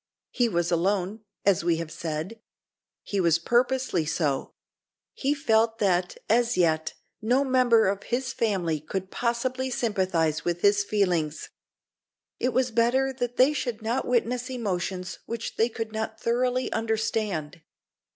He was alone, as we have said. He was purposely so. He felt that, as yet, no member of his family could possibly sympathise with his feelings. It was better that they should not witness emotions which they could not thoroughly understand.